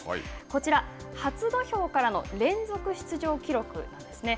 こちら、初土俵からの連続出場記録なんですね。